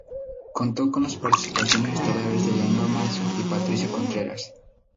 Contó con las participaciones estelares de Leonor Manso y Patricio Contreras.